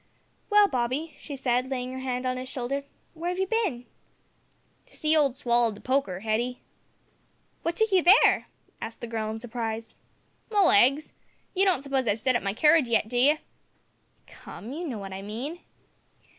"Well, Bobby," she said, laying her hand on his shoulder, "where have you been?" "To see old Swallow'd the poker, Hetty." "What took you there?" asked the girl in surprise. "My legs. You don't suppose I've set up my carriage yet, do you?" "Come, you know what I mean."